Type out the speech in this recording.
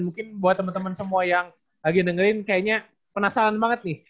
mungkin buat teman teman semua yang lagi dengerin kayaknya penasaran banget nih